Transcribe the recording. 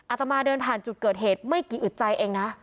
อาตมาเดินผ่านจุดเกิดเหตุไม่กี่อึดใจเองนะ